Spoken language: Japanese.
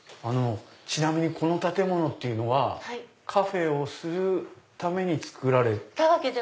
ちなみにこの建物はカフェをするために造られた？